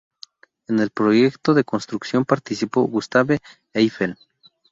En el proyecto de construcción participó Gustave Eiffel.